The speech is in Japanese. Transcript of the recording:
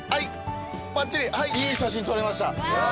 バッチリいい写真撮れました。